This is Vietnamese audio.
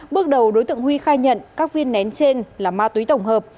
bước đầu đối tượng huy khai nhận các viên nén trên là ma túy tổng hợp